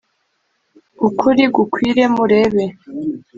ukuri gukwire mureba